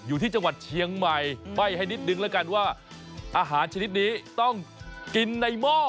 อยู่ที่จังหวัดเชียงใหม่ใบ้ให้นิดนึงแล้วกันว่าอาหารชนิดนี้ต้องกินในหม้อ